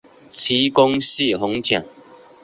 其根系很浅。